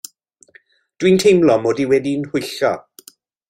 Dw i'n teimlo 'mod i wedi'n nhwyllo.